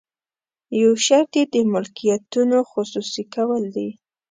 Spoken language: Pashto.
یو شرط یې د ملکیتونو خصوصي کول دي.